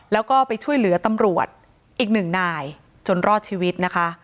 แล้วก็ไปช่วยเหลือตำรวจอีกหนึ่งนายจนรอดชีวิตนะคะ